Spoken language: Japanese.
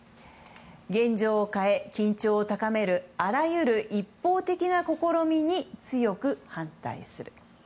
現状を変え、緊張を高めるあらゆる一方的な試みに強く反対する。